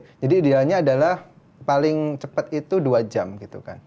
idealnya adalah paling cepat itu dua jam gitu kan